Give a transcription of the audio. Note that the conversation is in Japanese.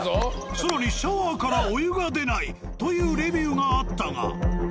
更に「シャワーからお湯が出ない」というレビューがあったが。